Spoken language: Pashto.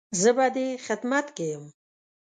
زه به دې خدمت کې يم